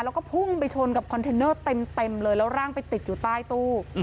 แล้วก็พุ่งไปชนกับคอนเทนเนอร์เต็มเลยแล้วร่างไปติดอยู่ใต้ตู้